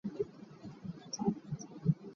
Later, hammering sounds are heard from the pit.